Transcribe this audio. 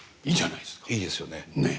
いいですよね。